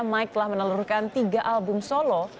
mike telah menelurkan tiga album solo